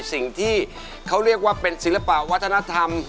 สิ่งที่เขาเรียกว่าเป็นศิลปะวัฒนธรรม